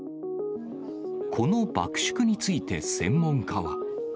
この爆縮について専門家は。